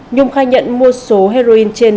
nhung khai nhận mua số heroin trên